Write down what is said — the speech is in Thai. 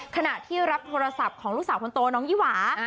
ขณะที่รับโทรศัพท์ของลูกสาวคนโตน้องยี่หวา